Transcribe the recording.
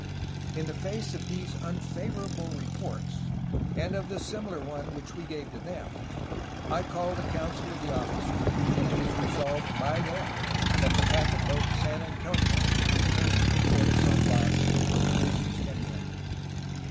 "In the face of these unfavorable reports, and of the similar one which we gave to them, I called a council of the officers, and it was resolved by them that the packet boat San Antonio should return to the port of San Bias for provisions and men.